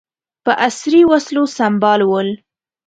په عصري وسلو سمبال ول.